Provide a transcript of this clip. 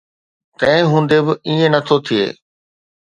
تنهن هوندي به ائين نه ٿو ٿئي.